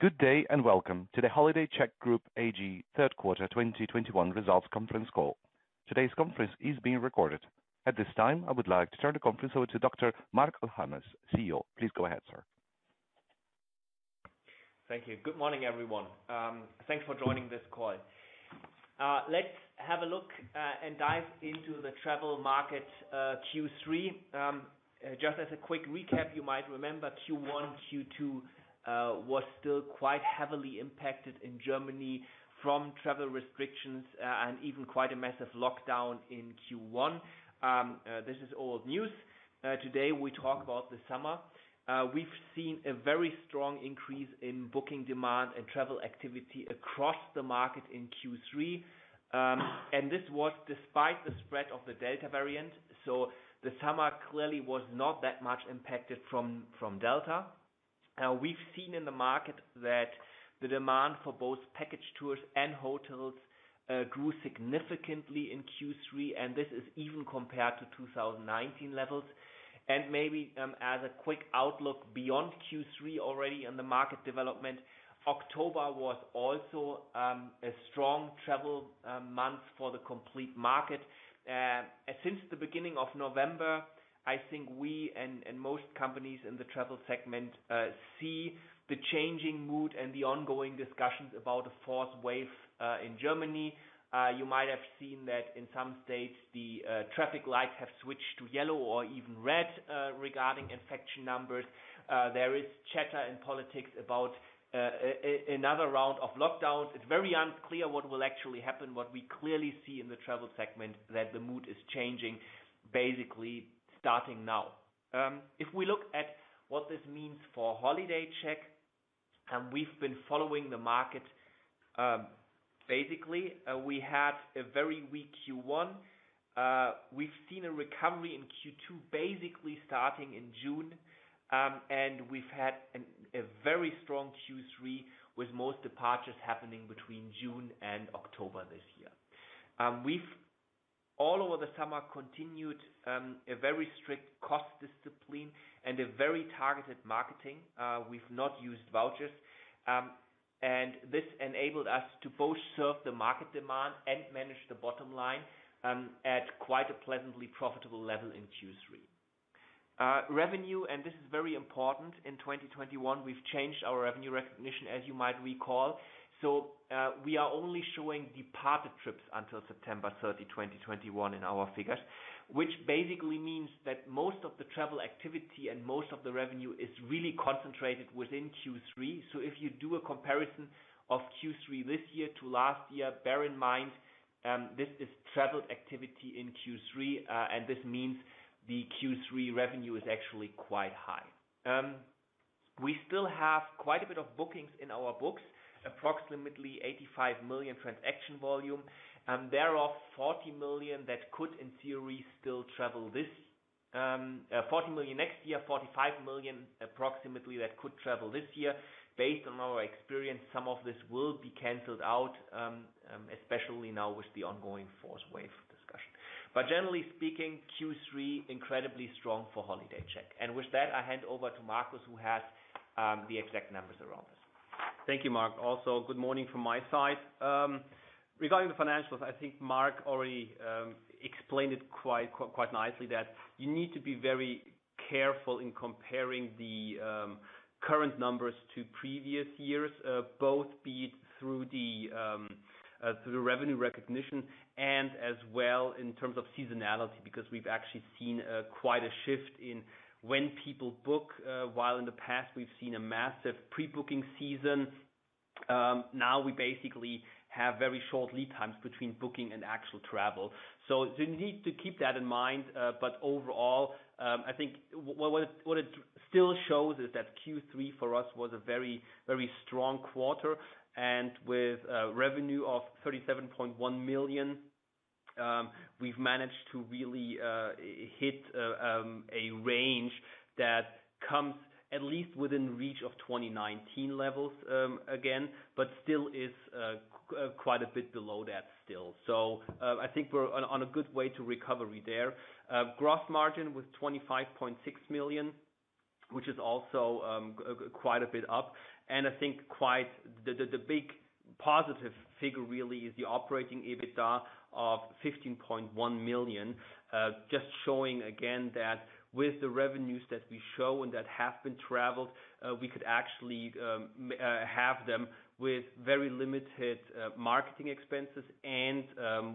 Good day and welcome to the HolidayCheck Group AG Q3 2021 results conference call. Today's conference is being recorded. At this time, I would like to turn the conference over to Dr. Marc Al-Hames, CEO. Please go ahead, sir. Thank you. Good morning, everyone. Thanks for joining this call. Let's have a look and dive into the travel market, Q3. Just as a quick recap, you might remember Q1, Q2 was still quite heavily impacted in Germany from travel restrictions and even quite a massive lockdown in Q1. This is old news. Today, we talk about the summer. We've seen a very strong increase in booking demand and travel activity across the market in Q3, and this was despite the spread of the Delta variant. The summer clearly was not that much impacted from Delta. We've seen in the market that the demand for both package tours and hotels grew significantly in Q3, and this is even compared to 2019 levels. Maybe as a quick outlook beyond Q3 already on the market development, October was also a strong travel month for the complete market. Since the beginning of November, I think we and most companies in the travel segment see the changing mood and the ongoing discussions about a fourth wave in Germany. You might have seen that in some states the traffic lights have switched to yellow or even red regarding infection numbers. There is chatter in politics about another round of lockdowns. It's very unclear what will actually happen. What we clearly see in the travel segment that the mood is changing, basically starting now. If we look at what this means for HolidayCheck, and we've been following the market basically, we had a very weak Q1. We've seen a recovery in Q2, basically starting in June, and we've had a very strong Q3 with most departures happening between June and October this year. We've all over the summer continued a very strict cost discipline and a very targeted marketing. We've not used vouchers, and this enabled us to both serve the market demand and manage the bottom line at quite a pleasantly profitable level in Q3. Revenue, and this is very important, in 2021 we've changed our revenue recognition, as you might recall. We are only showing departed trips until September 30, 2021 in our figures, which basically means that most of the travel activity and most of the revenue is really concentrated within Q3. If you do a comparison of Q3 this year to last year, bear in mind, this is travel activity in Q3. This means the Q3 revenue is actually quite high. We still have quite a bit of bookings in our books, approximately 85 million transaction volume, thereof 40 million that could in theory still travel this, 40 million next year, 45 million approximately that could travel this year. Based on our experience, some of this will be canceled out, especially now with the ongoing fourth wave discussion. Generally speaking, Q3 incredibly strong for HolidayCheck. With that, I hand over to Markus, who has the exact numbers around us. Thank you, Mark. Also, good morning from my side. Regarding the financials, I think Mark already explained it quite nicely that you need to be very careful in comparing the current numbers to previous years, both be it through the revenue recognition and as well in terms of seasonality, because we've actually seen quite a shift in when people book. While in the past we've seen a massive pre-booking season, now we basically have very short lead times between booking and actual travel. You need to keep that in mind. Overall, I think what it still shows is that Q3 for us was a very strong quarter. With revenue of 37.1 million, we've managed to really hit a range that comes at least within reach of 2019 levels, again, but still is quite a bit below that still. I think we're on a good way to recovery there. Gross margin was 25.6 million, which is also quite a bit up. I think. The big positive figure really is the operating EBITDA of 15.1 million. Just showing again that with the revenues that we show and that have been traveled, we could actually have them with very limited marketing expenses and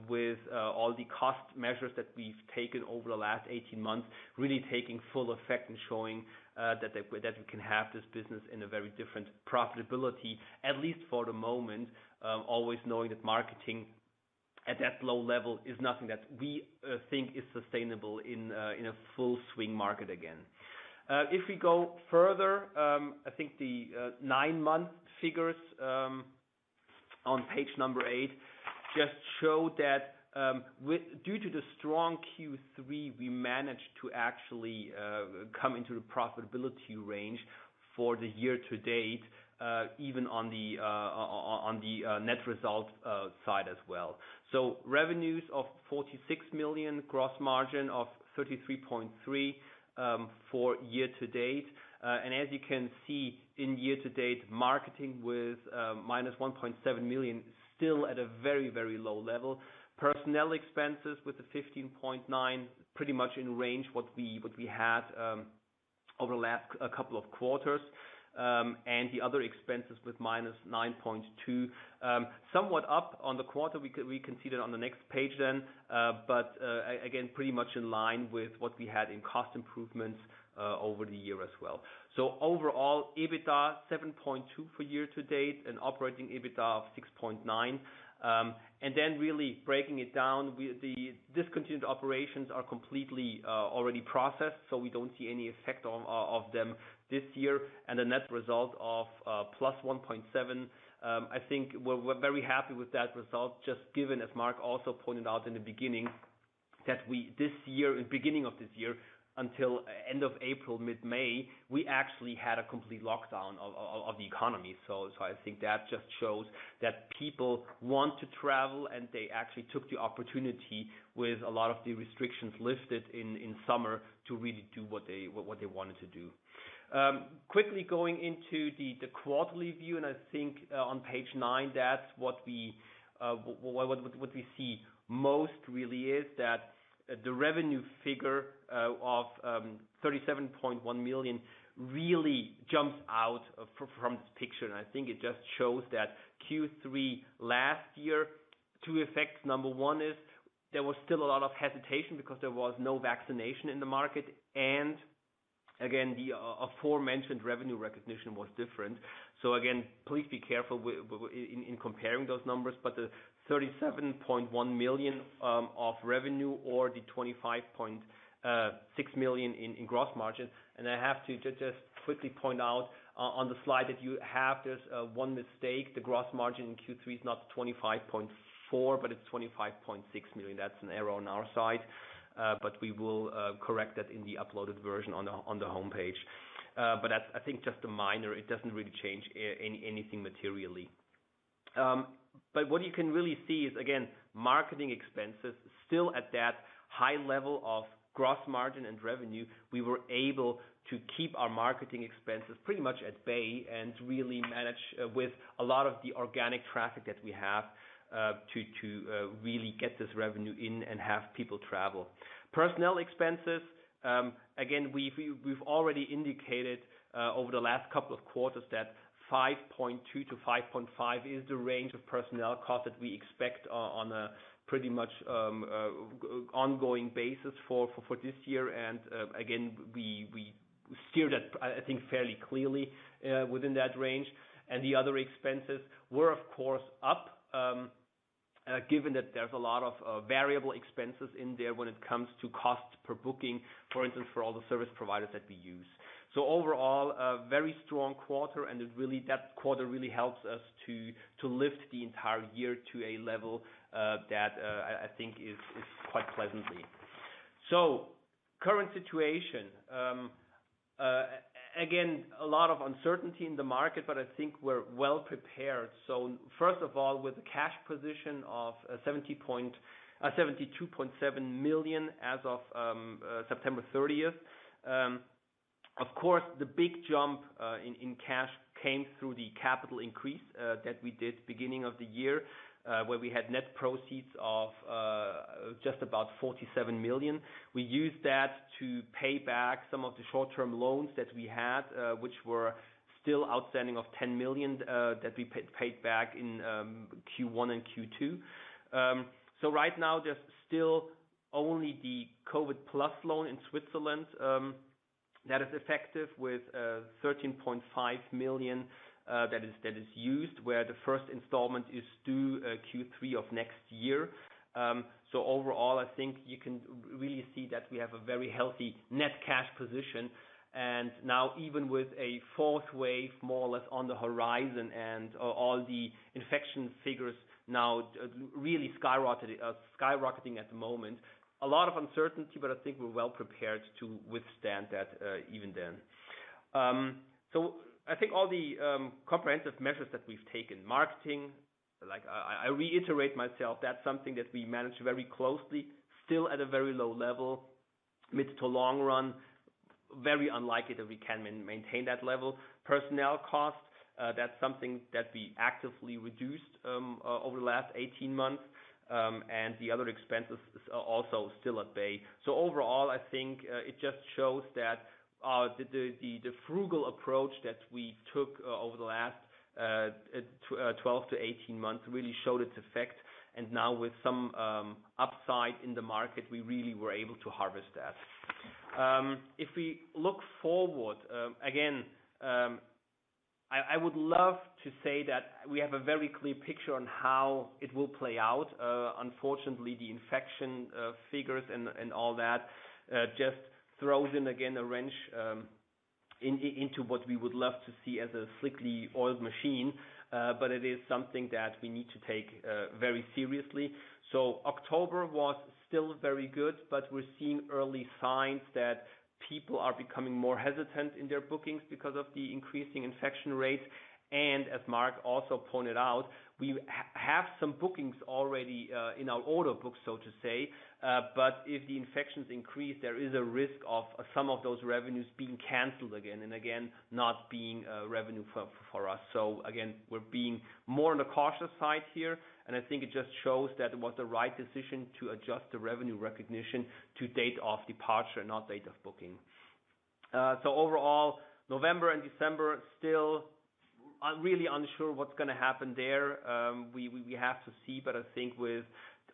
with all the cost measures that we've taken over the last 18 months, really taking full effect and showing that we can have this business in a very different profitability, at least for the moment. Always knowing that marketing at that low level is nothing that we think is sustainable in a full swing market again. If we go further, I think the nine-month figures on page two just show that, due to the strong Q3, we managed to actually come into the profitability range. For the year to date, even on the net result side as well. Revenues of 46 million, gross margin of 33.3% for year to date. As you can see in year to date, marketing with -1.7 million still at a very, very low level. Personnel expenses with 15.9 million pretty much in range what we had over the last couple of quarters. The other expenses with -9.2 million, somewhat up on the quarter we can see that on the next page then. Again, pretty much in line with what we had in cost improvements over the year as well. Overall EBITDA 7.2 million for year to date and operating EBITDA of 6.9 million. Really breaking it down, the discontinued operations are completely already processed, so we don't see any effect of them this year. The net result of +1.7, I think we're very happy with that result, just given, as Markus Scheuermann also pointed out in the beginning, that we this year, beginning of this year until end of April, mid-May, we actually had a complete lockdown of the economy. I think that just shows that people want to travel and they actually took the opportunity with a lot of the restrictions lifted in summer to really do what they wanted to do. Quickly going into the quarterly view, I think on page nine, that's what we see most really is that the revenue figure of 37.1 million really jumps out from this picture. I think it just shows that Q3 last year two effects. Number one is there was still a lot of hesitation because there was no vaccination in the market. Again, the aforementioned revenue recognition was different. Again, please be careful in comparing those numbers. The 37.1 million of revenue or the 25.6 million in gross margin. I have to just quickly point out on the slide that you have, there's one mistake. The gross margin in Q3 is not 25.4 million, but it's 25.6 million. That's an error on our side. We will correct that in the uploaded version on the homepage. That's, I think, just a minor. It doesn't really change anything materially. What you can really see is again, marketing expenses still at that high level of gross margin and revenue. We were able to keep our marketing expenses pretty much at bay and really manage with a lot of the organic traffic that we have to really get this revenue in and have people travel. Personnel expenses, again, we've already indicated over the last couple of quarters that 5.2-5.5 is the range of personnel costs that we expect on a pretty much ongoing basis for this year. Again, we steered that I think fairly clearly within that range. The other expenses were of course up, given that there's a lot of variable expenses in there when it comes to cost per booking, for instance, for all the service providers that we use. Overall, a very strong quarter and that quarter really helps us to lift the entire year to a level that I think is quite pleasantly. Current situation. Again, a lot of uncertainty in the market, but I think we're well prepared. First of all, with the cash position of 72.7 million as of September thirtieth. Of course, the big jump in cash came through the capital increase that we did beginning of the year, where we had net proceeds of just about 47 million. We used that to pay back some of the short-term loans that we had, which were still outstanding of 10 million, that we paid back in Q1 and Q2. Right now there's still only the COVID plus loan in Switzerland, that is effective with 13.5 million, that is used where the first installment is due Q3 of next year. Overall I think you can really see that we have a very healthy net cash position. Now even with a fourth wave more or less on the horizon and all the infection figures now, really skyrocketing at the moment. A lot of uncertainty, but I think we're well prepared to withstand that, even then. I think all the comprehensive measures that we've taken, marketing, like I reiterate myself, that's something that we manage very closely, still at a very low level, mid to long run. Very unlikely that we can maintain that level. Personnel costs, that's something that we actively reduced, over the last 18 months. The other expenses is also still at bay. Overall I think, it just shows that, the frugal approach that we took over the last, 12 to 18 months really showed its effect. Now with some upside in the market, we really were able to harvest that. If we look forward, again, I would love to say that we have a very clear picture on how it will play out. Unfortunately, the infection figures and all that just throws in again, a wrench into what we would love to see as a strictly oiled machine, but it is something that we need to take very seriously. October was still very good, but we're seeing early signs that people are becoming more hesitant in their bookings because of the increasing infection rates. As Mark also pointed out, we have some bookings already in our order book, so to say. If the infections increase, there is a risk of some of those revenues being canceled again and again, not being revenue for us. Again, we're being more on the cautious side here, and I think it just shows that it was the right decision to adjust the revenue recognition to date of departure, not date of booking. Overall, November and December still really unsure what's gonna happen there. We have to see, but I think with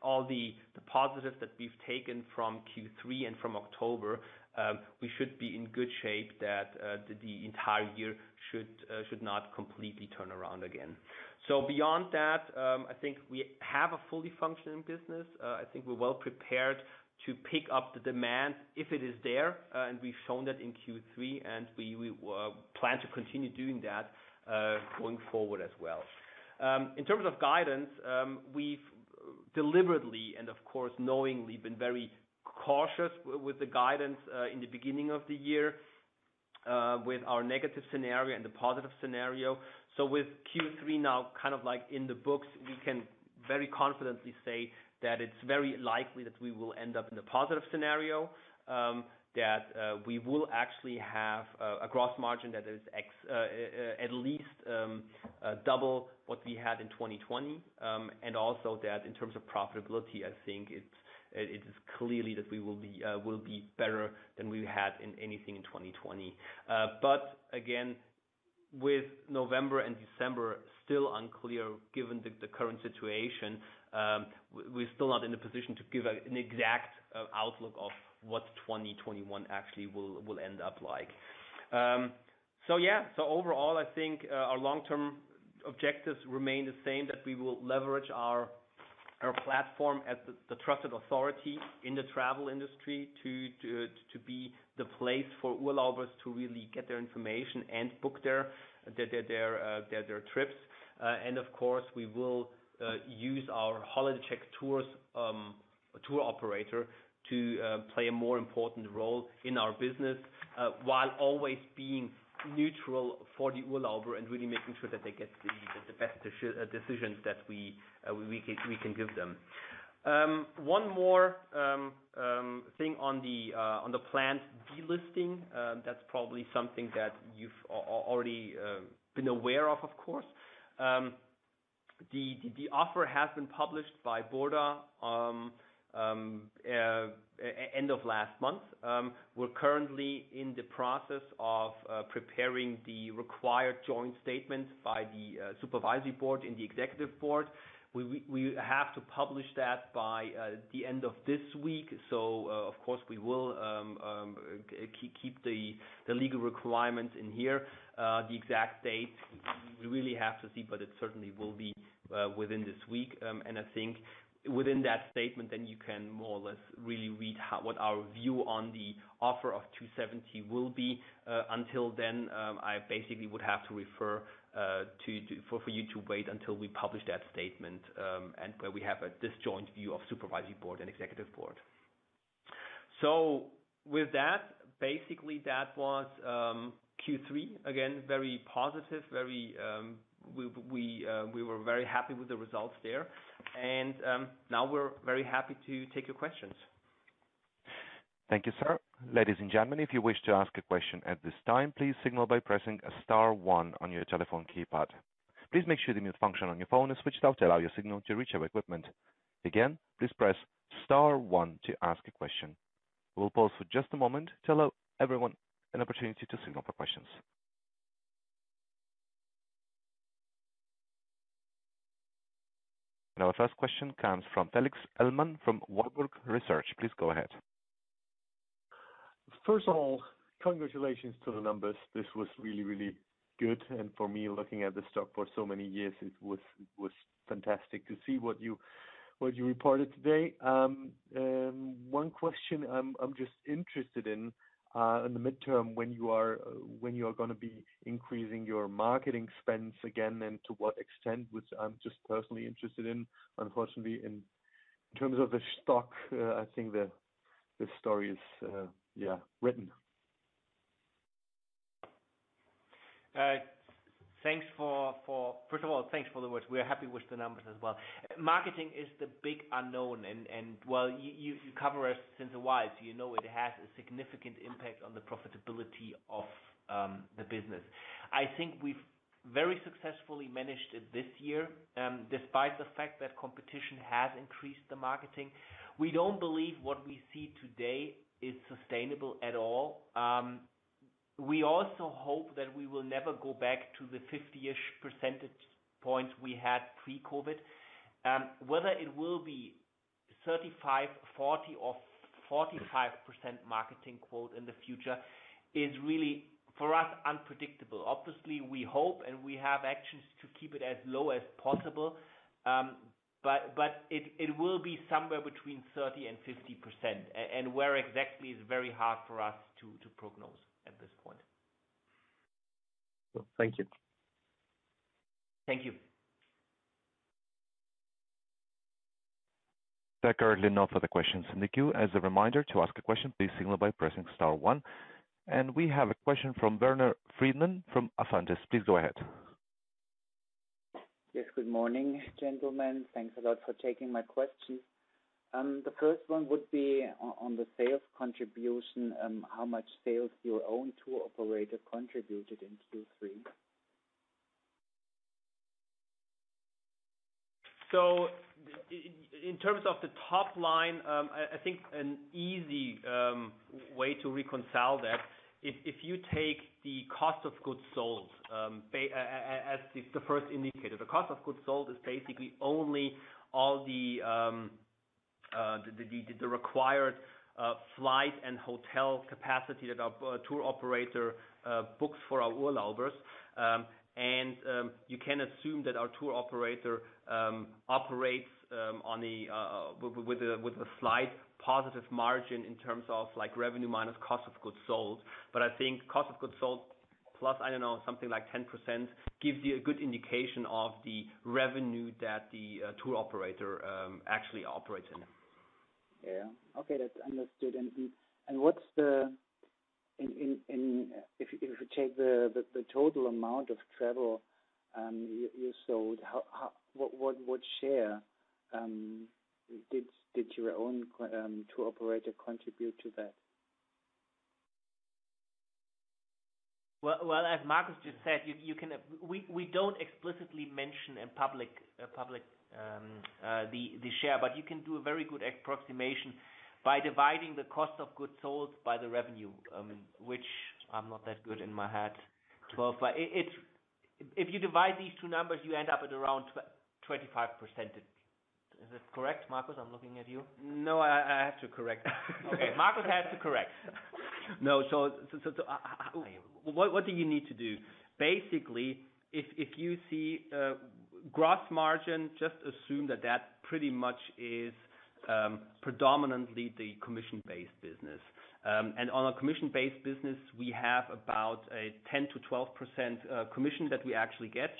all the positives that we've taken from Q3 and from October, we should be in good shape that the entire year should not completely turn around again. Beyond that, I think we have a fully functioning business. I think we're well prepared to pick up the demand if it is there. We've shown that in Q3, we plan to continue doing that, going forward as well. In terms of guidance, we've deliberately and of course knowingly been very cautious with the guidance in the beginning of the year with our negative scenario and the positive scenario. With Q3 now kind of like in the books, we can very confidently say that it's very likely that we will end up in the positive scenario. That we will actually have a gross margin that is at least double what we had in 2020. And also that in terms of profitability, I think it is clearly that we will be better than we had in anything in 2020. Again, with November and December still unclear given the current situation, we're still not in a position to give an exact outlook of what 2021 actually will end up like. Yeah. Overall, I think our long-term objectives remain the same, that we will leverage our platform as the trusted authority in the travel industry to be the place for urlaubers to really get their information and book their trips. Of course, we will use our HolidayCheck Tours tour operator to play a more important role in our business while always being neutral for the Urlauber and really making sure that they get the best decisions that we can give them. One more thing on the planned delisting. That's probably something that you've already been aware of course. The offer has been published by Burda end of last month. We're currently in the process of preparing the required joint statements by the supervisory board and the executive board. We have to publish that by the end of this week. Of course, we will keep the legal requirements in here. The exact date we really have to see, but it certainly will be within this week. I think within that statement, then you can more or less really read what our view on the offer of 2.70 will be. Until then, I basically would have to refer you to wait until we publish that statement, and where we have a disjoint view of the Supervisory Board and Executive Board. With that, basically that was Q3. Again, very positive, we were very happy with the results there. Now we're very happy to take your questions. Thank you, sir. Ladies and gentlemen, if you wish to ask a question at this time, please signal by pressing star one on your telephone keypad. Please make sure the mute function on your phone is switched off to allow your signal to reach our equipment. Again, please press star one to ask a question. We'll pause for just a moment to allow everyone an opportunity to signal for questions. Our first question comes from Felix Ellmann from Warburg Research. Please go ahead. First of all, congratulations to the numbers. This was really good. For me, looking at the stock for so many years, it was fantastic to see what you reported today. One question. I'm just interested in the midterm, when you're gonna be increasing your marketing spends again, and to what extent, which I'm just personally interested in. Unfortunately, in terms of the stock, I think the story is, yeah, written. First of all, thanks for the words. We are happy with the numbers as well. Marketing is the big unknown and, well, you cover us for a while, so you know it has a significant impact on the profitability of the business. I think we've very successfully managed it this year, despite the fact that competition has increased the marketing. We don't believe what we see today is sustainable at all. We also hope that we will never go back to the 50-ish percentage points we had pre-COVID. Whether it will be 35, 40 or 45% marketing quote in the future is really, for us, unpredictable. Obviously, we hope and we have actions to keep it as low as possible. But it will be somewhere between 30% and 50%. And where exactly is very hard for us to prognose at this point. Thank you. Thank you. There are currently no further questions in the queue. As a reminder, to ask a question, please signal by pressing star one. We have a question from Werner Friedmann from Assenagon. Please go ahead. Yes, good morning, gentlemen. Thanks a lot for taking my question. The first one would be on the sales contribution, how much sales your own tour operator contributed in Q3? In terms of the top line, I think an easy way to reconcile that if you take the cost of goods sold as the first indicator. The cost of goods sold is basically only all the required flight and hotel capacity that our tour operator books for our Urlaubers. You can assume that our tour operator operates on a with a slight positive margin in terms of like revenue minus cost of goods sold. I think cost of goods sold plus I don't know something like 10% gives you a good indication of the revenue that the tour operator actually operates in. Yeah. Okay, that's understood. If you take the total amount of travel you sold, what share did your own tour operator contribute to that? As Marcus just said, we don't explicitly mention in public the share, but you can do a very good approximation by dividing the cost of goods sold by the revenue, which I'm not that good in my head. If you divide these two numbers, you end up at around 25%. Is this correct, Marcus? I'm looking at you. No, I have to correct that. Okay, Marcus has to correct. No. What do you need to do? Basically, if you see gross margin, just assume that pretty much is predominantly the commission-based business. On a commission-based business, we have about a 10%-12% commission that we actually get.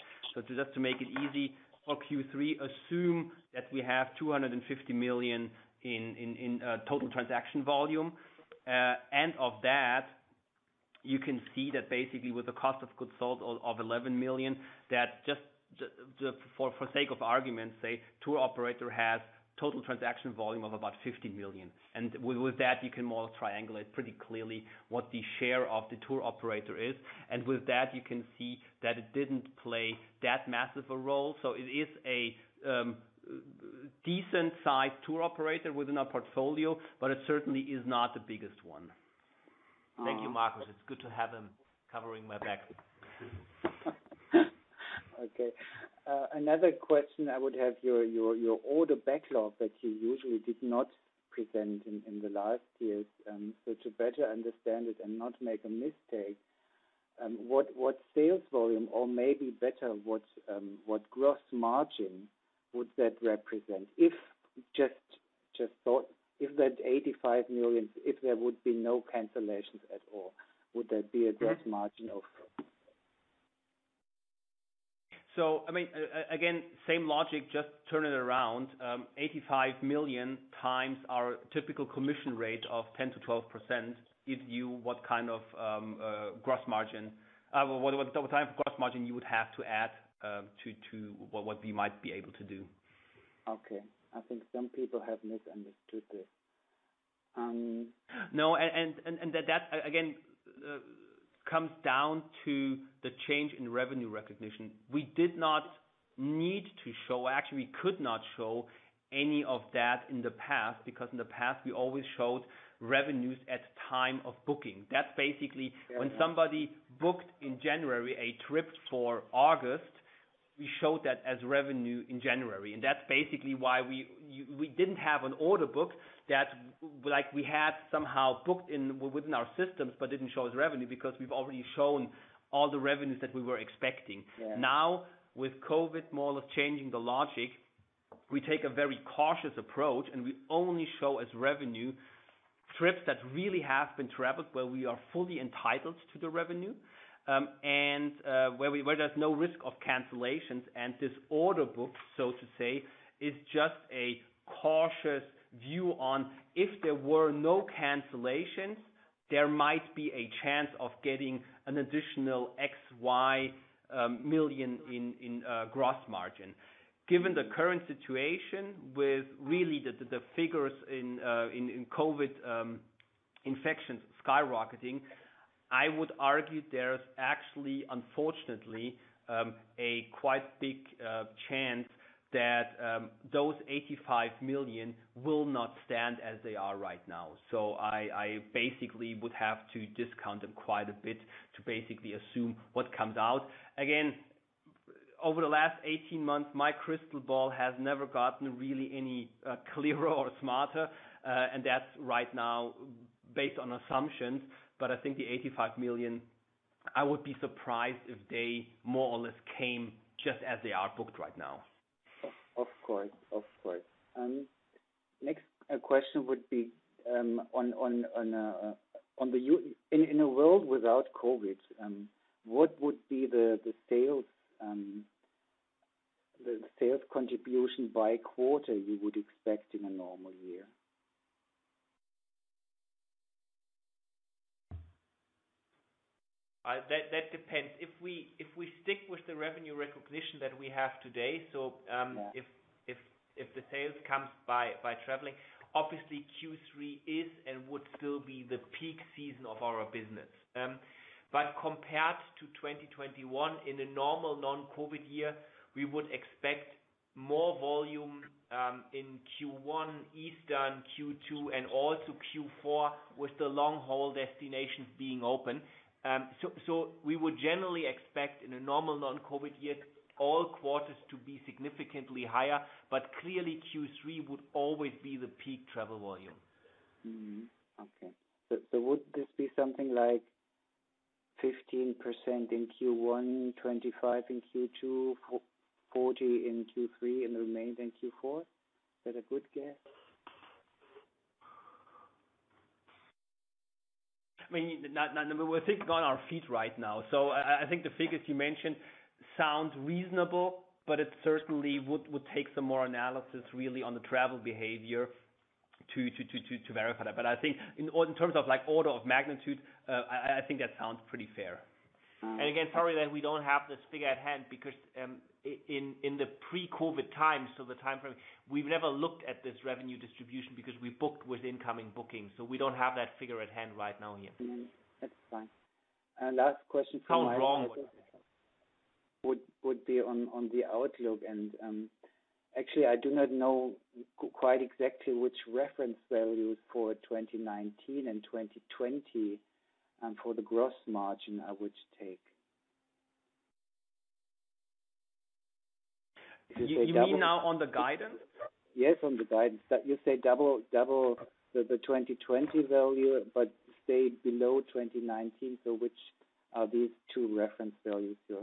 Just to make it easy for Q3, assume that we have 250 million in total transaction volume. Of that, you can see that basically with the cost of goods sold of 11 million, that just for sake of argument, say tour operator has total transaction volume of about 50 million. With that, you can more triangulate pretty clearly what the share of the tour operator is. With that, you can see that it didn't play that massive a role. It is a decent size tour operator within our portfolio, but it certainly is not the biggest one. Thank you, Marcus. It's good to have him covering my back. Okay. Another question I would have, your order backlog that you usually did not present in the last years, so to better understand it and not make a mistake, what sales volume or maybe better, what gross margin would that represent? If just thought if that 85 million, if there would be no cancellations at all, would there be a gross margin of? I mean, again, same logic, just turn it around, 85 million times our typical commission rate of 10%-12% gives you what kind of gross margin. What type of gross margin you would have to add to what we might be able to do. Okay. I think some people have misunderstood this. No. And that again comes down to the change in revenue recognition. We did not need to show, actually, we could not show any of that in the past because in the past, we always showed revenues at time of booking. That's basically. Yeah. When somebody booked in January a trip for August, we showed that as revenue in January. That's basically why we didn't have an order book that, like, we had somehow booked within our systems but didn't show as revenue because we've already shown all the revenues that we were expecting. Yeah. Now, with COVID more or less changing the logic, we take a very cautious approach, and we only show as revenue trips that really have been traveled, where we are fully entitled to the revenue, and where there's no risk of cancellations. This order book, so to say, is just a cautious view on if there were no cancellations, there might be a chance of getting an additional X, Y, million in gross margin. Given the current situation with really the figures in COVID infections skyrocketing, I would argue there's actually, unfortunately, a quite big chance that those 85 million will not stand as they are right now. I basically would have to discount them quite a bit to basically assume what comes out. Again, over the last 18 months, my crystal ball has never gotten really any clearer or smarter, and that's right now based on assumptions. I think the 85 million, I would be surprised if they more or less came just as they are booked right now. Of course. Next question would be in a world without COVID, what would be the sales contribution by quarter you would expect in a normal year? That depends. If we stick with the revenue recognition that we have today, if the sales comes by traveling, obviously Q3 is and would still be the peak season of our business. But compared to 2021, in a normal non-COVID year, we would expect more volume in Q1, Easter in Q2, and also Q4 with the long-haul destinations being open. We would generally expect in a normal non-COVID year, all quarters to be significantly higher. Clearly Q3 would always be the peak travel volume. Mm-hmm. Okay. Would this be something like 15% in Q1, 25% in Q2, 40% in Q3, and the remainder in Q4? Is that a good guess? I mean, now, remember, we're thinking on our feet right now. I think the figures you mentioned sound reasonable, but it certainly would take some more analysis really on the travel behavior to verify that. I think in terms of like order of magnitude, I think that sounds pretty fair. Again, sorry that we don't have this figure at hand because in the pre-COVID times, so the time frame, we've never looked at this revenue distribution because we booked with incoming bookings. We don't have that figure at hand right now here. That's fine. Last question from my side. How wrong would I be? Would be on the outlook and actually I do not know quite exactly which reference values for 2019 and 2020 for the gross margin I would take. You mean now on the guidance? Yes, on the guidance. That you say double the 2020 value, but stay below 2019. Which are these two reference values you're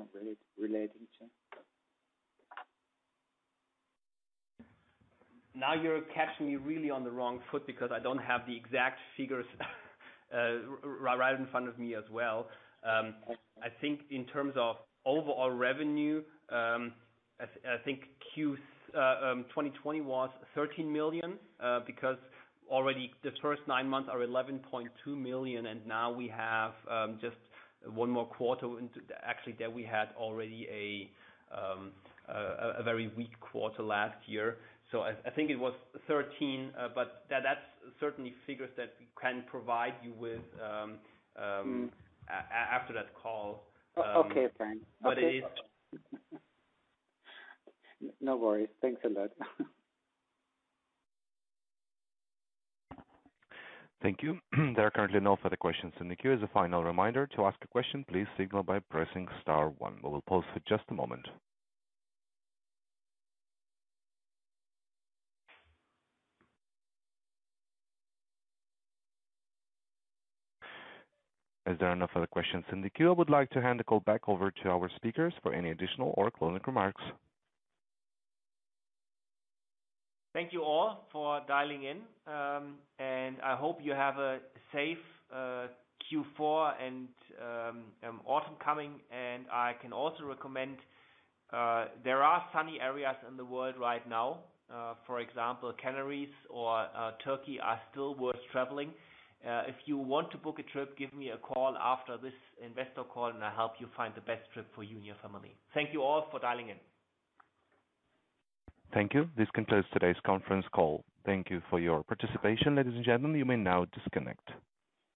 relating to? Now you're catching me really on the wrong foot because I don't have the exact figures right in front of me as well. I think in terms of overall revenue, I think 2020 was 13 million because already the first nine months are 11.2 million, and now we have just one more quarter. Actually, there we had already a very weak quarter last year. I think it was 13 million, but that's certainly figures that we can provide you with. Mm. After that call. Okay, fine. Okay. But it is- No worries. Thanks a lot. Thank you. There are currently no further questions in the queue. As a final reminder, to ask a question, please signal by pressing Star one. We will pause for just a moment. As there are no further questions in the queue, I would like to hand the call back over to our speakers for any additional or closing remarks. Thank you all for dialing in, and I hope you have a safe Q4 and autumn coming. I can also recommend there are sunny areas in the world right now. For example, Canaries or Turkey are still worth traveling. If you want to book a trip, give me a call after this investor call, and I'll help you find the best trip for you and your family. Thank you all for dialing in. Thank you. This concludes today's conference call. Thank you for your participation. Ladies and gentlemen, you may now disconnect.